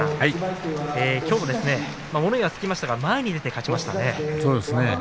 きょうも物言いがつきましたが前に出て勝ちましたね。